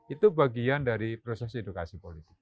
itu bagian dari proses edukasi politik